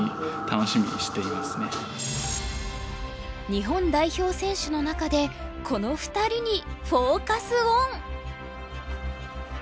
日本代表選手の中でこの２人にフォーカス・オン！